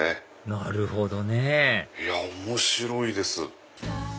なるほどねいや面白いです。